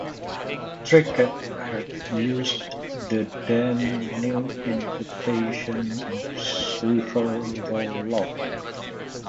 Trickett had used the then new invention of swivel rowlocks.